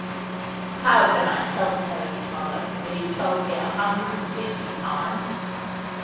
' How can I help knowing it, mother, when you've told me a hundred and fifty times